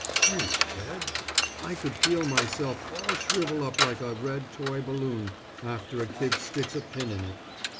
Gee! Ted, I could feel myself all shrivel up like a red toy balloon after a kid sticks a pin in it.